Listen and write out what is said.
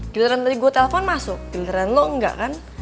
giliran tadi gue telepon masuk giliran lo enggak kan